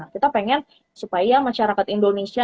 kita pengen supaya masyarakat indonesia